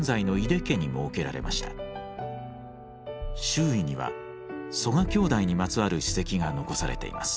周囲には曽我兄弟にまつわる史跡が残されています。